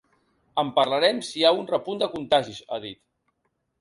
“En parlarem si hi ha un repunt de contagis”, ha dit.